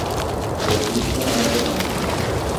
Golpista abandonado